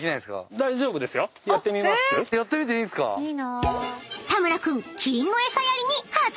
やってみていいんすか⁉［田村君］